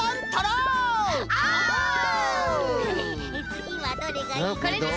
つぎはどれがいいかな。